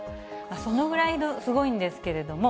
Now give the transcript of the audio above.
そのぐらいすごいんですけれども。